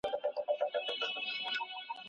دا پایله تر بلې دقیقه ده.